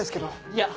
いや！